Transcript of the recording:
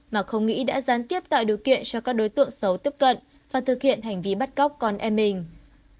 mà không nghĩ đã gián tiếp tạo điều kiện cho các đối tượng xấu tiếp cận và thực hiện hành vi bắt cóc con em mình